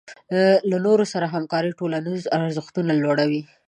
له نورو سره همکاري ټولنیز ارزښتونه لوړوي.